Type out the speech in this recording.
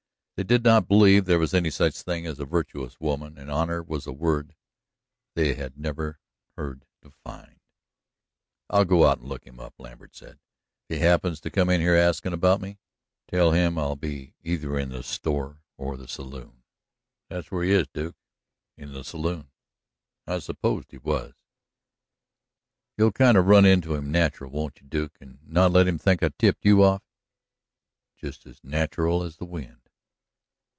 They did not believe there was any such thing as a virtuous woman, and honor was a word they never had heard defined. "I'll go out and look him up," Lambert said. "If he happens to come in here askin' about me, I'll be in either the store or the saloon." "There's where he is, Duke in the saloon." "I supposed he was." "You'll kind of run into him natural, won't you, Duke, and not let him think I tipped you off?" "Just as natural as the wind."